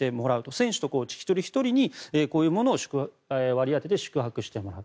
選手とコーチ一人ひとりにこういうものを割り当てて宿泊してもらう。